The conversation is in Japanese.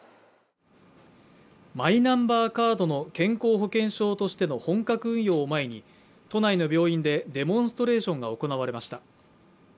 マイナンバーカードの健康保険証としての本格運用を前に、都内の病院でデモンストレーションが行われました。